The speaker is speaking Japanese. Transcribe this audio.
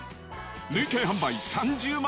累計販売３０万